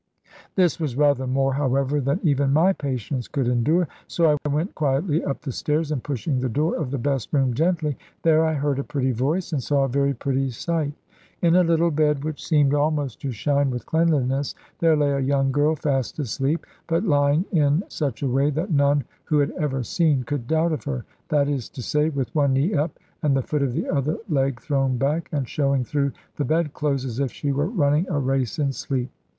This was rather more, however, than even my patience could endure: so I went quietly up the stairs, and pushing the door of the best room gently, there I heard a pretty voice, and saw a very pretty sight. In a little bed which seemed almost to shine with cleanliness, there lay a young girl fast asleep, but lying in such a way that none who had ever seen could doubt of her. That is to say, with one knee up, and the foot of the other leg thrown back, and showing through the bed clothes, as if she were running a race in sleep.